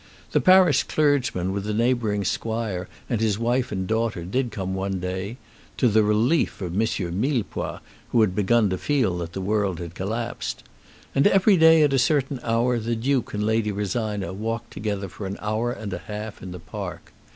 The parish clergyman with the neighbouring squire and his wife and daughter did come one day, to the relief of M. Millepois, who had begun to feel that the world had collapsed. And every day at a certain hour the Duke and Lady Rosina walked together for an hour and a half in the park.